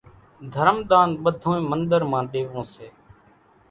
ڌرم ۮان ٻڌونئين منۮر مان ۮيوون سي۔